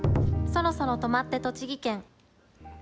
そろそろ止まって栃木県！